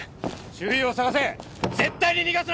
周囲を捜せ絶対に逃がすな！